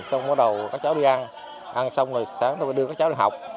xong bắt đầu các cháu đi ăn ăn xong rồi sáng thôi đưa các cháu đi học